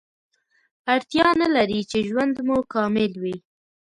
اړتیا نلري چې ژوند مو کامل وي